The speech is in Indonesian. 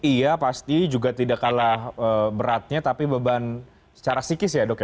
iya pasti juga tidak kalah beratnya tapi beban secara psikis ya dok ya